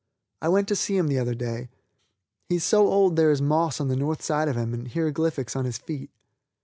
I went to see him the other day. He is so old that there is moss on the north side of him and hieroglyphics on his feet.